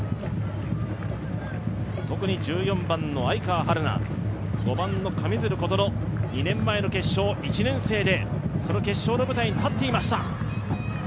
特に１４番の愛川陽菜、５番の神水流琴望、２年前の決勝、１年生でその決勝の舞台に立っていました。